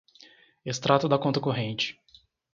Extrato da conta corrente